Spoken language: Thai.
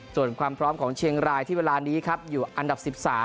ส่วนความพร้อมของเชียงรายที่เวลานี้ครับอยู่อันดับ๑๓